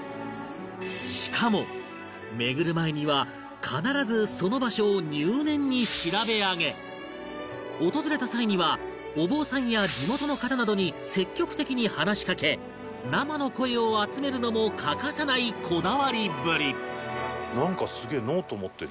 しかも巡る前には必ずその場所を入念に調べ上げ訪れた際にはお坊さんや地元の方などに積極的に話しかけ生の声を集めるのも欠かさないこだわりぶりなんかすげえノート持ってる。